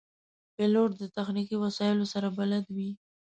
پیلوټ د تخنیکي وسایلو سره بلد وي.